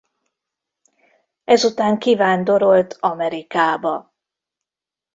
Ezután kivándorolt Amerikába.